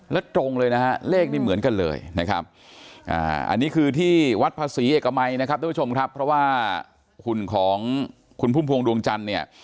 และตรงเลยนะเลขนี้เหมือนกันเลยนะครับอันนี้คือที่วัดพระศรีเอกมัยนะครับเพราะว่าขุนของคุณพุ่มพวงดวงจันทร์เนี่ย